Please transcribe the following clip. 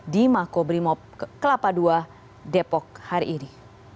di makobrimob kelapa ii depok hari ini